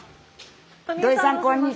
土井さんこんにちは。